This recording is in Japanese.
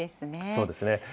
そうですね。